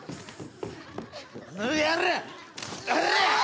この野郎！